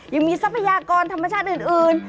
ทรัพยากรธรรมชาติอื่น